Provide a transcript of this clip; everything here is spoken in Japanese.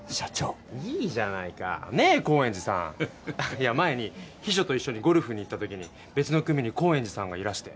いや前に秘書と一緒にゴルフに行ったときに別の組に高円寺さんがいらして。